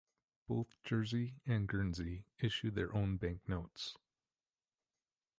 Both Jersey and Guernsey issue their own banknotes.